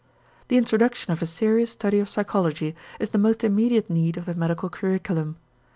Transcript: The introduction of a serious study of psychology is the most immediate need of the medical curriculum.